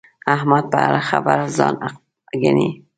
احمد په هره خبره ځان حق ګڼي.